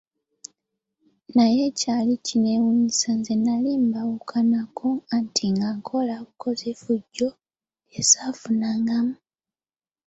Naye ekyali kyewuunyisa nze nnali mbaawukanako, anti nga nkola bukozi ffujjo lye ssaafunangamu.